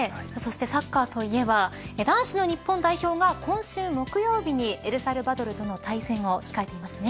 サッカーといえば男子の日本代表が今週木曜日にエルサルバドルでの対戦を控えていますね。